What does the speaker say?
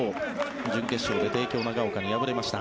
準決勝で帝京長岡に敗れました。